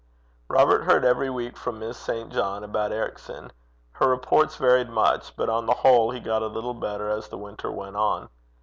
Robert heard every week from Miss St. John about Ericson. Her reports varied much; but on the whole he got a little better as the winter went on.